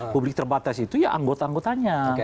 publik terbatas itu ya anggota anggotanya